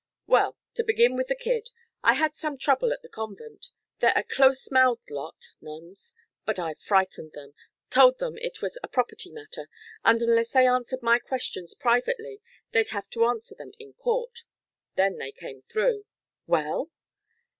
"Well, to begin with the kid. I had some trouble at the convent. They're a close mouthed lot, nuns. But I frightened them. Told them it was a property matter, and unless they answered my questions privately they'd have to answer them in court. Then they came through." "Well?"